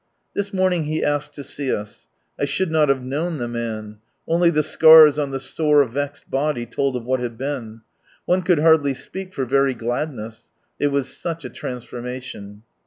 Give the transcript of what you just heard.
This morning he asked to see us. I should not have known the man. Only the scars on the " sore vexed " body told of what had beea One could hardly speak for very gladness : it was such a transformation.